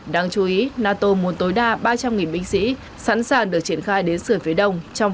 đáng chú ý nato muốn tối đa ba trăm linh binh sĩ sẵn sàng được triển khai đến sửa phía đông trong vòng ba mươi ngày